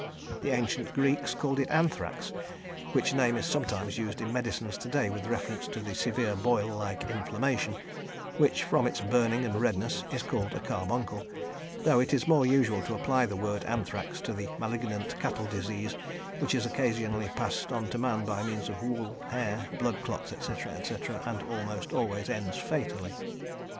The ancient Greeks called it anthrax, which name is sometimes used in medicine to day with reference to the severe boil like inflammation which, from its burning and redness, is called a carbuncle, though it is more usual to apply the word "anthrax" to the malignant cattle disease which is occasionally passed on to man by means of wool, hair, blood clots, etc., etc., and almost always ends fatally.